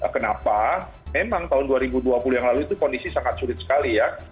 kenapa memang tahun dua ribu dua puluh yang lalu itu kondisi sangat sulit sekali ya